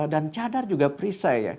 dan cadar juga perisai